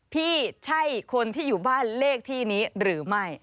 พี่ใช่คนที่อยู่บ้านเลขที่นี้หรือไม่